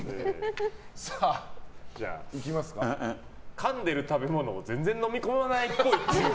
かんでる食べ物を全然飲みこまないっぽい。